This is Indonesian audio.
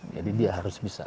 jadi dia harus bisa